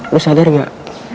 lu sadar gak